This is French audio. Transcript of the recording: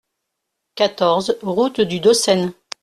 quatorze route du Dossen